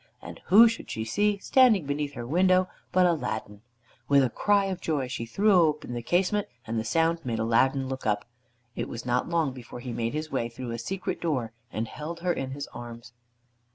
And who should she see standing beneath her window but Aladdin! With a cry of joy she threw open the casement and the sound made Aladdin look up. It was not long before he made his way through a secret door and held her in his arms.